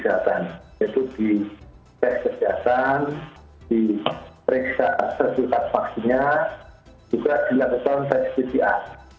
itu di test kejahatan di periksa asetilkat maksinya juga dilakukan test pcr